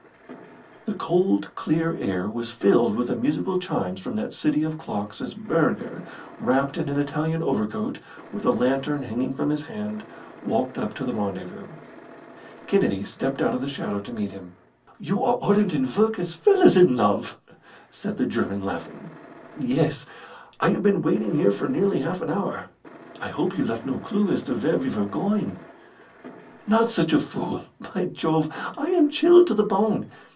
The cold, clear air was filled with the musical chimes from that city of clocks as Burger, wrapped in an Italian overcoat, with a lantern hanging from his hand, walked up to the rendezvous. Kennedy stepped out of the shadow to meet him. "You are ardent in work as well as in love!" said the German, laughing. "Yes; I have been waiting here for nearly half an hour." "I hope you left no clue as to where we were going." "Not such a fool! By Jove, I am chilled to the bone!